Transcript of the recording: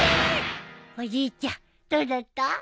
おじいちゃんどうだった？